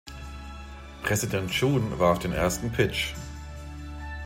Präsident Chun warf den ersten Pitch.